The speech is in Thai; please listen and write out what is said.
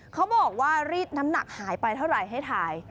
เขาบอกว่ารีดน้ำหนักหายไปเท่าไหร่ให้ถ่าย